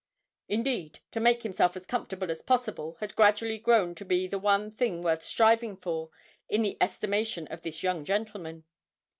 Indeed, to make himself as comfortable as possible had gradually grown to be the one thing worth striving for in the estimation of this young gentleman.